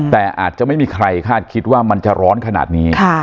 แต่อาจจะไม่มีใครคาดคิดว่ามันจะร้อนขนาดนี้